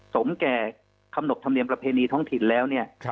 สมแก่กำหนดธรรมเนียมประเพณีท้องถิ่นแล้วเนี่ย